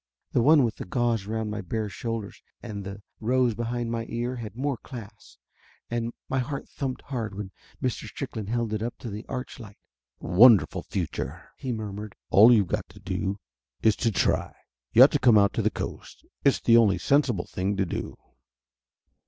The one with the gauze around my bare shoulders and the rose behind my ear had more class, and my heart thumped hard when Mi . Strickland held it up to the arch light. "Wonderful future!" he murmured. "All you've got to do is to try! You ought to come out to the Coast. It's the only sensible thing to do."